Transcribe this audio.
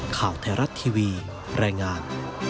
ข่าวไทยรัฐทีวีรายงาน